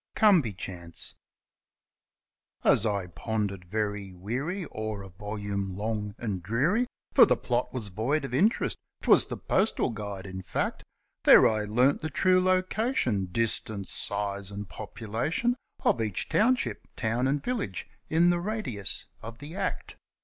Come by Chance As I pondered very weary o'er a volume long and dreary For the plot was void of interest 'twas the Postal Guide, in fact, There I learnt the true location, distance, size, and population Of each township, town, and village in the radius of the Act.